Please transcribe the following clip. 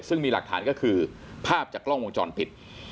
ซึ่งมีหลักฐานก็คือภาพจากกล้องวงจรปิด